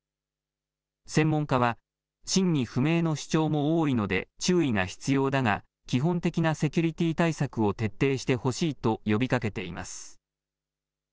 専門家は真偽不明の主張も多いので注意が必要だが基本的なセキュリティー対策を徹底してほしいと呼びかけています。